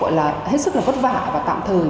gọi là hết sức là vất vả và tạm thời